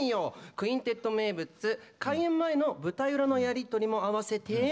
「クインテット」名物開演前の舞台裏のやり取りもあわせてどうぞ！